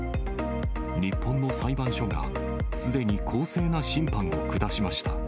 日本の裁判所がすでに公正な審判を下しました。